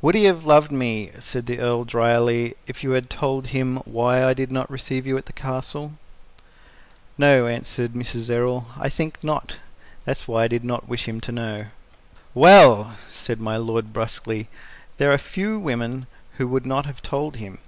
"Would he have loved me," said the Earl dryly, "if you had told him why I did not receive you at the Castle?" "No," answered Mrs. Errol, "I think not. That was why I did not wish him to know." "Well," said my lord brusquely, "there are few women who would not have told him."